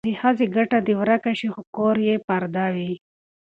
د ښځې ګټه دې ورکه شي خو چې کور یې پرده وي.